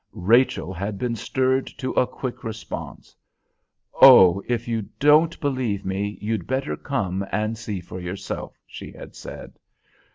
Rachel had been stirred to a quick response. "Oh, if you don't believe me, you'd better come and see for yourself," she had said.